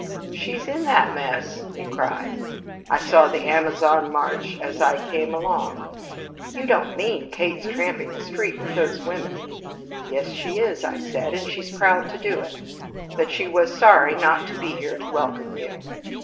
'She's in that mess?' he cried. 'I saw the Amazon march as I came along. You don't mean Kate's tramping the streets with those women!' 'Yes, she is,' I said, 'and she's proud to do it. But she was sorry not to be here to welcome you.'